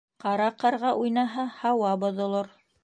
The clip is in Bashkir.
Ҡара ҡарға уйнаһа, һауа боҙолор.